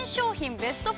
ベスト５。